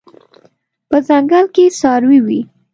په ځنګل کې څاروي وي